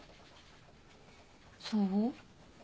そう？